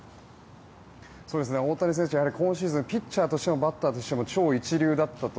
大谷選手は今シーズンピッチャーとしてもバッターとしても超一流だったと。